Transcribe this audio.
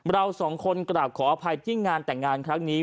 เราสองคนกราบขออภัยที่งานแต่งงานครั้งนี้